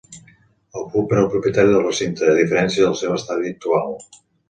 El club era el propietari del recinte, a diferència del seu estadi actual.